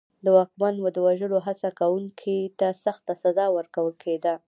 د واکمن د وژلو هڅه کوونکي ته سخته سزا ورکول کېده.